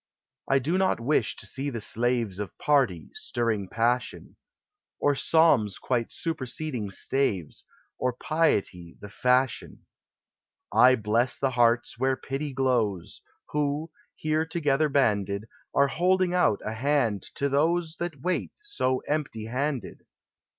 I do not wish to seethe slav Of party, stirring passion ; Or psalms quite superseding stai Or piety tk the fashion." 350 POEMS OF SENTIMENT. I bless the hearts where pity glows, Who, here together banded, Are holding ont a hand to those That wait so empty handed